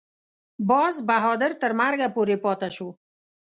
باز بهادر تر مرګه پورې پاته شو.